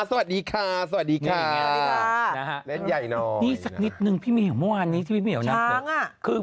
น่านี่สักนิดนึงพี่เหมียวเมื่อวันนี้พี่เหมียวนับสุด